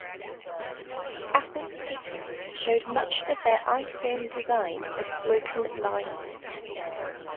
Apple's patent showed much of their iPhone design as broken lines.